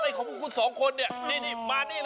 ทางนี้พร้อมแล้วทางนู้นพร้อมไหม